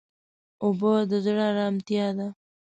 اوبه د زړه ارامتیا ده.